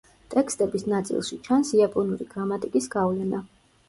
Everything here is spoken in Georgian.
ტექსტების ნაწილში ჩანს იაპონური გრამატიკის გავლენა.